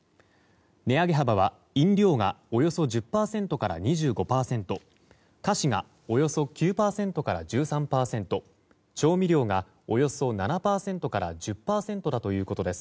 値上げ幅は飲料がおよそ１０％から２５％菓子が、およそ９％から１３％調味料がおよそ７％から１０％だということです。